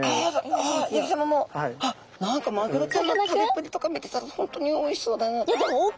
あ八木さまも。何かマグロちゃんの食べっぷりとか見てたら本当においしそうだなと。